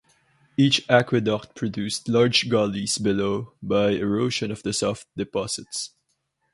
Each aqueduct produced large gullies below by erosion of the soft deposits.